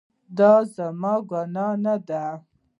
دا زما ګناه نه ده